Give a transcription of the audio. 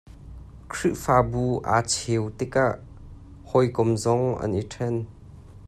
Khrihfabu aa cheu tikah hawikom zong an i ṭhen.